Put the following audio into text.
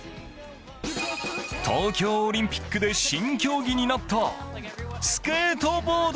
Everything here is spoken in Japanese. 東京オリンピックで新競技になったスケートボード。